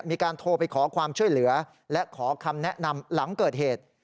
มีการโทรไปขอความช่วยเหลือและขอคำแนะนำหลังเกิดเหตุ